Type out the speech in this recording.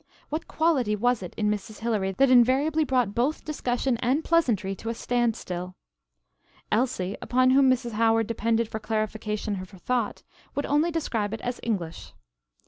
What quality was it in Mrs. Hilary that invariably brought both discussion and pleasantry to a standstill? Elsie, upon whom Mrs. Howard depended for clarification of her thought, would only describe it as "English."